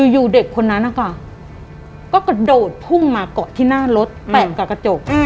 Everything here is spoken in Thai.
อยู่เด็กคนนั้นนะคะก็กระโดดพุ่งมาเกาะที่หน้ารถแตะกับกระจก